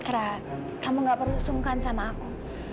karena kamu gak perlu sungkan sama aku